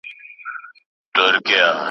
دا خبره په نولس سوه شپږ څلوېښتم کال کي سوي وه.